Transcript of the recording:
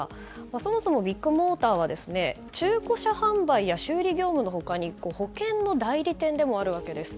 そもそもビッグモーターは中古車販売や修理業務の他に保険の代理店でもあるわけです。